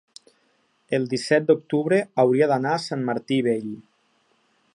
el disset d'octubre hauria d'anar a Sant Martí Vell.